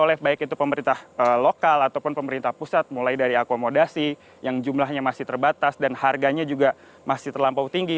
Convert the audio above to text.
oleh baik itu pemerintah lokal ataupun pemerintah pusat mulai dari akomodasi yang jumlahnya masih terbatas dan harganya juga masih terlampau tinggi